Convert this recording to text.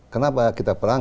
kenapa kita perang